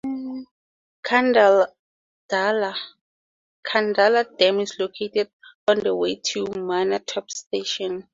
Kundala Dam is located on the way to Munnar Top Station.